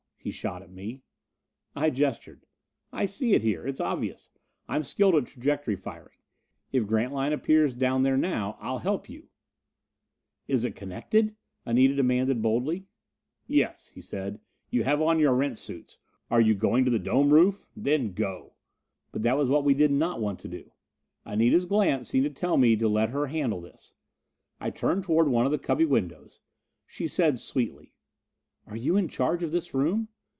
he shot at me. I gestured. "I see it here. It's obvious. I'm skilled at trajectory firing. If Grantline appears down there now, I'll help you " "Is it connected?" Anita demanded boldly. "Yes," he said. "You have on your Erentz suits: are you going to the dome roof? Then go." But that was what we did not want to do. Anita's glance seemed to tell me to let her handle this. I turned toward one of the cubby windows; she said sweetly: "Are you in charge of this room?